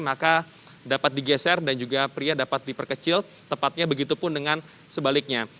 maka dapat digeser dan juga pria dapat diperkecil tepatnya begitu pun dengan sebaliknya